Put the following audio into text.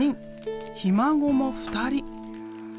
ひ孫も２人。